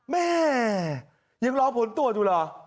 แม่ยังรอผลตรวจอยู่เหรอ